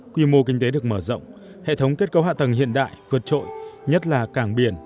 quy mô kinh tế được mở rộng hệ thống kết cấu hạ tầng hiện đại vượt trội nhất là cảng biển